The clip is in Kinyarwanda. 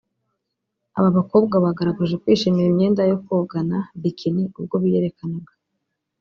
Aba bakobwa bagaragaje kwishimira imyenda yo kwogana( Bikini) ubwo biyerekanaga